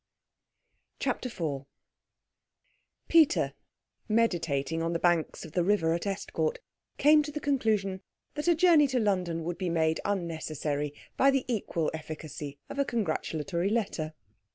CHAPTER IV Peter, meditating on the banks of the river at Estcourt, came to the conclusion that a journey to London would be made unnecessary by the equal efficacy of a congratulatory letter.